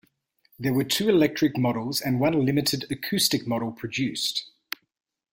There were two electric models and one limited acoustic model produced.